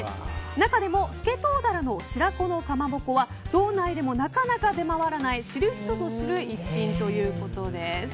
中でもスケトウダラの白子のかまぼこは道内でも、なかなか出回らない知る人ぞ知る一品ということです。